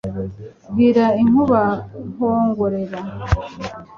bwira inkuba-kwongorera